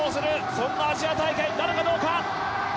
そんなアジア大会になるかどうか。